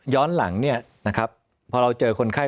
ย้อนหลังเนี่ยนะครับพอเราเจอคนไข้